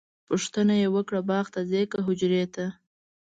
پوښتنه یې وکړه باغ ته ځئ که حجرې ته؟